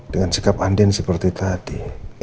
dengan sikap andin seperti tadi